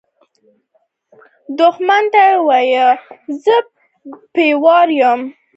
دښمن ته وایه “زه پیاوړی یم”